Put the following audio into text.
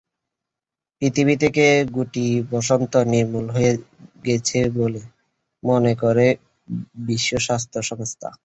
পৃথিবী থেকে গুটিবসন্ত নির্মূল হয়ে গেছে বলে মনে করে বিশ্ব স্বাস্থ্য সংস্থা।